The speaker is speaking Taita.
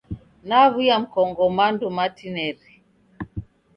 Naw'uya mkongo mando matineri.